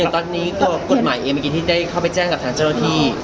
ตอนนี้กลุ่นใหม่ที่ได้เข้าไปแจ้งกับนักจัดหน้าที่